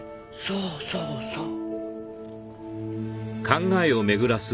そうそうそう。